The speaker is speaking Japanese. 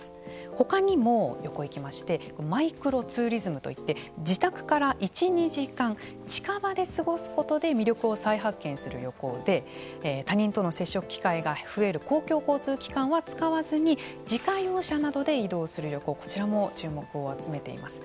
ほかにも、横に行きましてマイクロツーリズムといって自宅から１２時間近場で過ごすことで魅力を再発見する旅行で他人との接触機会が増える公共交通機関は使わずに自家用車などで移動する旅行こちらも注目を集めています。